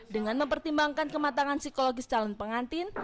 dengan mempertimbangkan kematangan psikologis calon pengantin